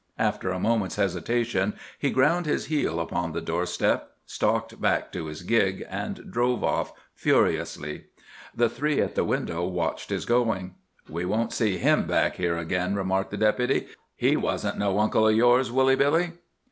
After a moment's hesitation he ground his heel upon the doorstep, stalked back to his gig, and drove off furiously. The three at the window watched his going. "We won't see him back here again," remarked the Deputy. "He wasn't no uncle o' yours, Woolly Billy."